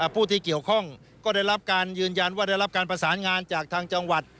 ผู้ที่เกี่ยวข้องก็ได้รับการยืนยันว่าได้รับการประสานงานจากทางจังหวัด